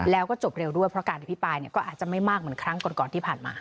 แล้วก็จบเร็วเพราะการที่พี่ปลายเนี่ยก็อาจจะไม่มากเหมือนครั้งก่อนที่ผ่านมา